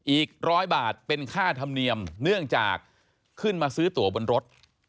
อีกร้อยบาทเป็นค่าธรรมเนียมเนื่องจากขึ้นมาซื้อตัวบนรถ